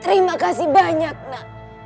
terimakasih banyak na